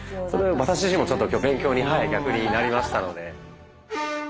それは私自身もちょっと今日勉強に逆になりましたので。